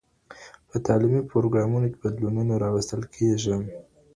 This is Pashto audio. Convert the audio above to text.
په تعلیمي پروګرامونو کي بدلونونه راوستل کېږي.